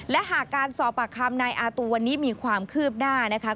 และหากการสอบปากคำนายอาตูวันนี้มีความคืบหน้านะคะ